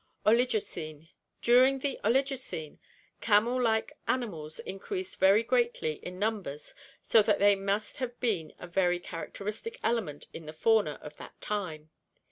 Oligocene. — During the Oligocene, camel like animals increased very greatly in numbers so that they must have been a very char acteristic element in the fauna of that time.